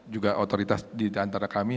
juga otoritas di antara kami